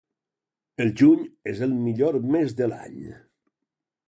El juny és el millor mes de l'any.